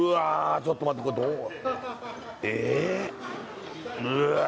ちょっと待ってこれえっうわ